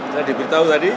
saya diberitahu tadi